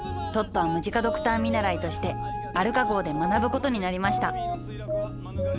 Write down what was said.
トットはムジカドクター見習いとしてアルカ号で学ぶことになりました